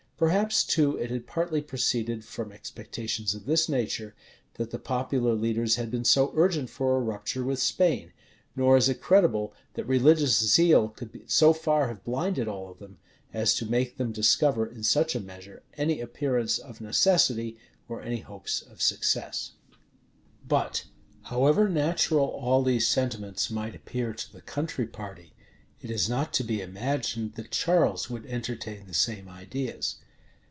Perhaps, too, it had partly proceeded from expectations of this nature, that the popular leaders had been so urgent for a rupture with Spain; nor is it credible, that religious zeal could so far have blinded all of them, as to make them discover, in such a measure, any appearance of necessity, or any hopes of success. But, however natural all these sentiments might appear to the country party, it is not to be imagined that Charles would entertain the same ideas.